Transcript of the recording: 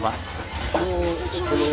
paling mahalnya berarti